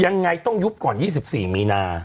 ยังไงต้องยุบก่อน๒๔มีนา